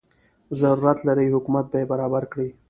ضرورت لري حکومت به یې برابر کړي.